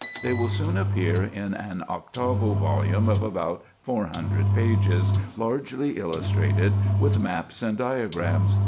They will soon appear in an octavo volume of about 400 pages, largely illustrated, with maps and diagrams.